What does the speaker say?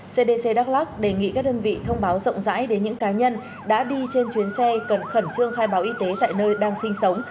cdc đắk lắc đề nghị các đơn vị thông báo rộng rãi đến những cá nhân đã đi trên chuyến xe cần khẩn trương khai báo y tế tại nơi đang sinh sống